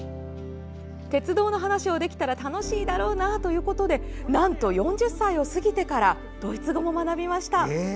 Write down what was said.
鉄道の話をできたら楽しいだろうなということでなんと、４０歳を過ぎてからドイツ語も学びました。